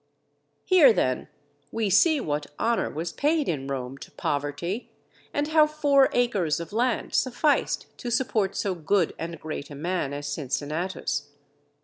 Here, then, we see what honour was paid in Rome to poverty, and how four acres of land sufficed to support so good and great a man as Cincinnatus.